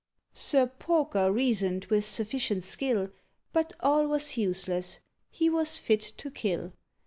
Sir Porker reasoned with sufficient skill; But all was useless: he was fit to kill.